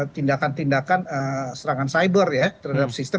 tindakan tindakan serangan cyber ya terhadap sistem